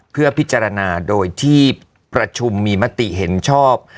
เพื่อพิจารณาโดยที่ประชุมมีมติเห็นชอบ